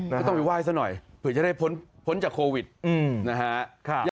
ก็ต้องไปไหว้ซะหน่อยเผื่อจะได้พ้นจากโควิดนะฮะ